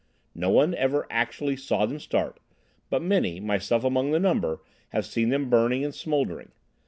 No one ever actually saw them start, but many, myself among the number, have seen them burning and smouldering.